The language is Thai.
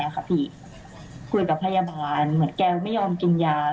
กินค่ะ